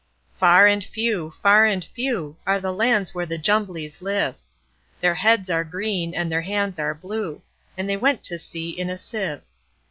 Far and few, far and few, Are the lands where the Jumblies live:Their heads are green, and their hands are blue; And they went to sea in a sieve.